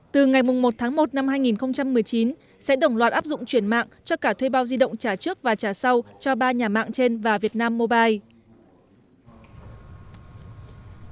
từ ngày một tháng một năm hai nghìn một mươi chín sẽ đồng loạt áp dụng chuyển mạng cho cả thuê bao di động trả trước và trả sau cho ba nhà mạng trên và vietnam mobile